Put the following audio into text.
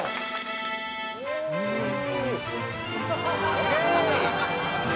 ＯＫ！